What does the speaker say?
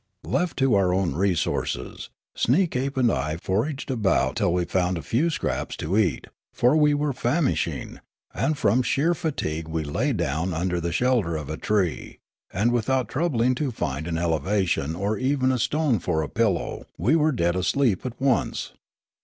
Left to our own resources, Sneekape and I foraged about till we found a few scraps to eat ; for we were famishing ; and from sheer fatigue we lay down under the shelter of a tree, and without troubling to find an elevation or even a stone for a pillow we were dead asleep at once.